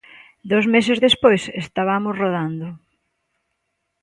Dous meses despois estabamos rodando.